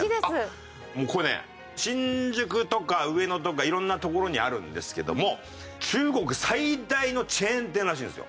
もうここね新宿とか上野とか色んな所にあるんですけども中国最大のチェーン店らしいんですよ。